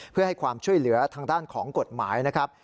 เพื่อให้ความช่วยเหลือทางด้านของกฎหมายนะครับ